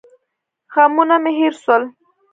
غمونه مې هېر سول.